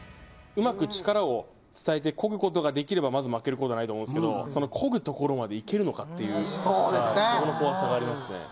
うまく力を伝えてこぐことができれば、まず負けることはないと思うんですけど、こぐところまでいけるのかという、そこの怖さがありますね。